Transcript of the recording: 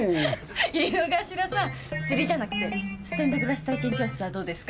井之頭さん釣りじゃなくてステンドグラス体験教室はどうですか？